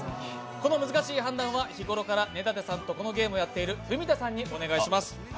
この難しい判断は日頃から根建さんとこのゲームをやっている文田さんにお願いします。